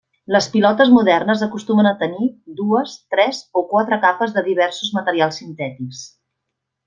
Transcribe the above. Les pilotes modernes acostumen a tenir, dues, tres o quatre capes de diversos materials sintètics.